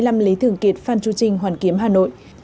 ở hai mươi năm lý thường kiệt phan chu trinh hoàn kiếm hà nội